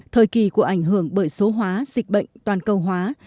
thời kỳ của ảnh hưởng bởi số hóa dịch bệnh toàn cầu hóa